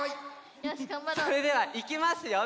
それではいきますよ